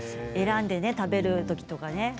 選んで食べるときとかね